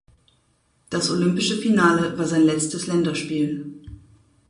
Das olympische Finale war sein letztes Länderspiel.